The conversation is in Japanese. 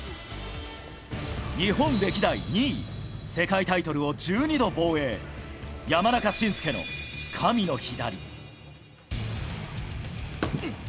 日本歴代２位、世界タイトルを１２度防衛、山中慎介の神の左。